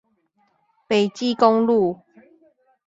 北基公路